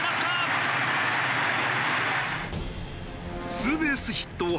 ツーベースヒットを放ち